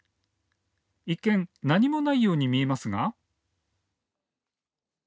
一見、何もないように見えますが。